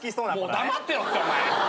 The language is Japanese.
もう黙ってろってお前。